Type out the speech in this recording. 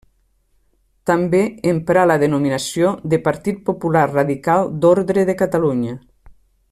També emprà la denominació de Partit Popular Radical d'Ordre de Catalunya.